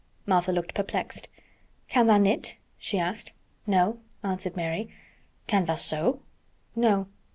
Martha looked perplexed. "Can tha' knit?" she asked. "No," answered Mary. "Can tha' sew?" "No."